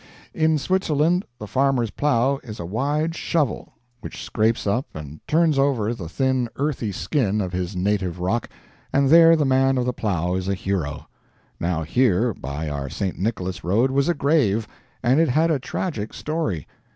In Switzerland the farmer's plow is a wide shovel, which scrapes up and turns over the thin earthy skin of his native rock and there the man of the plow is a hero. Now here, by our St. Nicholas road, was a grave, and it had a tragic story.